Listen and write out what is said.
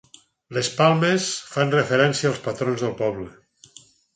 Les palmes fan referència als patrons del poble.